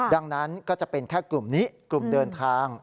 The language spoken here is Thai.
ดังนั้นก็จะเป็นแค่กลุ่มนี้กลุ่มเดินทาง